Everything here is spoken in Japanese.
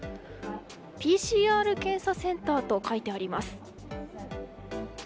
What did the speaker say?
ＰＣＲ検査センターと書いてあります。